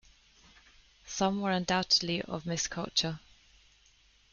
Some were undoubtedly of mixed culture.